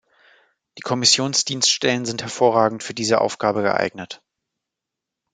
Die Kommissionsdienststellen sind hervorragend für diese Aufgabe geeignet.